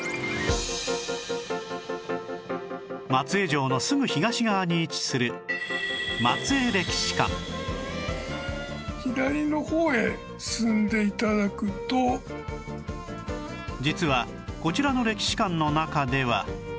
松江城のすぐ東側に位置する実はこちらの歴史館の中では